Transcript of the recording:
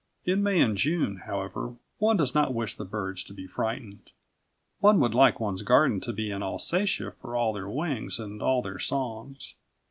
In May and June, however, one does not wish the birds to be frightened. One would like one's garden to be an Alsatia for all their wings and all their songs.